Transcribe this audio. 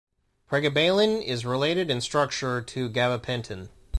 Pregabalin is related in structure to gabapentin.